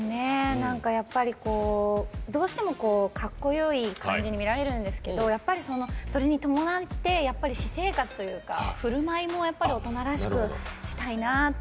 どうしてもかっこよい感じに見られるんですけどやっぱり、それに伴って私生活というか、ふるまいも大人らしくしたいなと。